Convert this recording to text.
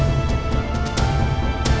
aku akan mencari cherry